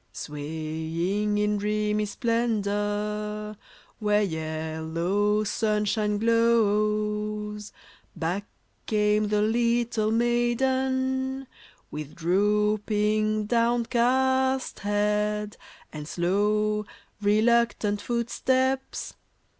Swaying in dreamy splendor Where yellow sunshine glows. Back came the little maiden With drooping, downcast head, And slow, reluctant footsteps.